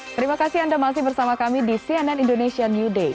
terima kasih anda masih bersama kami di cnn indonesian new day